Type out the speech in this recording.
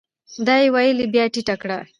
دا يې ويلې بيا ټيټه کړه ؟